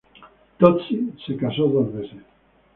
Tozzi se casó dos veces.